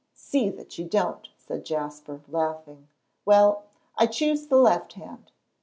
"See that you don't," said Jasper, laughing. "Well I choose the left hand.